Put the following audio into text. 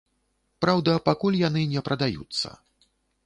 Праўда, пакуль яны не прадаюцца.